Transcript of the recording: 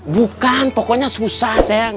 bukan pokoknya susah seng